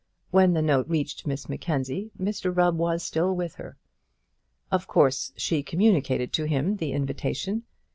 When the note reached Miss Mackenzie, Mr Rubb was still with her. Of course she communicated to him the invitation.